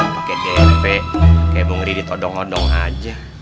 pakai dp kayak bung ridi todong odong aja